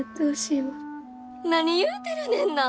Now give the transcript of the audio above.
何言うてるねんな！